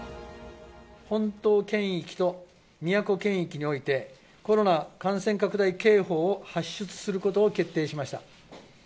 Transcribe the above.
本島圏域と宮古圏域において、コロナ感染拡大警報を発出することを決定しました。